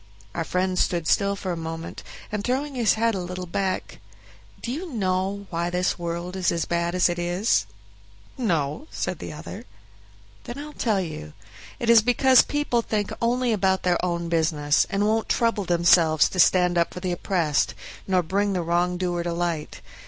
Our friend stood still for a moment, and throwing his head a little back, "Do you know why this world is as bad as it is?" "No," said the other. "Then I'll tell you. It is because people think only about their own business, and won't trouble themselves to stand up for the oppressed, nor bring the wrongdoer to light.